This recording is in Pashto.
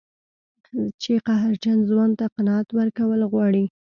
چې قهرجن ځوان ته قناعت ورکول غواړي.